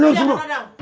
saya pengen kemana